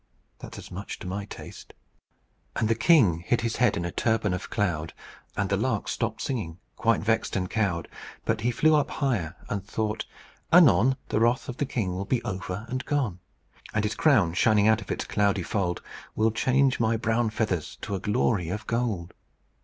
That's as much to my taste. "And the king hid his head in a turban of cloud; And the lark stopped singing, quite vexed and cowed. But he flew up higher, and thought, 'Anon, The wrath of the king will be over and gone, And his crown, shining out of its cloudy fold, Will change my brown feathers to a glory of gold.'